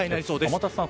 天達さん